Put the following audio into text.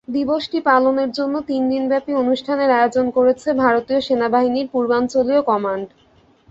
দিবসটি পালনের জন্য তিন দিনব্যাপী অনুষ্ঠানের আয়োজন করেছে ভারতীয় সেনাবাহিনীর পূর্বাঞ্চলীয় কমান্ড।